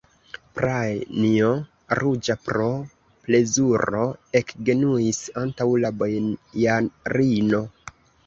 Pranjo, ruĝa pro plezuro, ekgenuis antaŭ la bojarino.